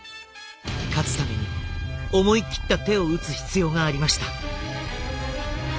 勝つために思い切った手を打つ必要がありました。